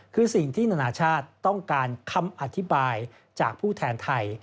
คือสิ่งที่นานาชาติต้องการคำอธิบายจากผู้แทนไทย